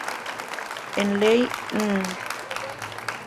En ley n.°.